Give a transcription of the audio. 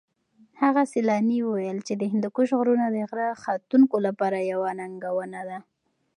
هغه سېلاني وویل چې د هندوکش غرونه د غره ختونکو لپاره یوه ننګونه ده.